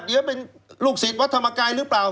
เดี๋ยวเป็นลูกศิษย์วัดธรรมกายหรือเปล่า